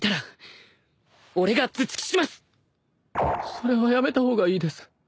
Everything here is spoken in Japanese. それはやめた方がいいです。